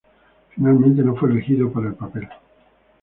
Finalmente no fue elegido para el papel.